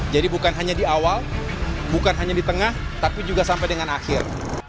jadi bukan hanya di awal bukan hanya di tengah tapi juga sampai dengan akhir